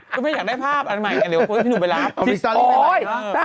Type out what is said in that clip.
คุณแม่อยากได้ภาพอันใหม่กันเลยก็คุณให้พี่หนูไปรับ